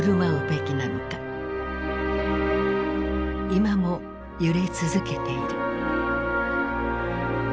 今も揺れ続けている。